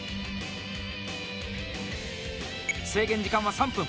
制限時間は３分。